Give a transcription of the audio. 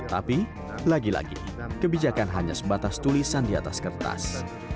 tapi lagi lagi kebijakan hanya sebatas tulisan di atas kertas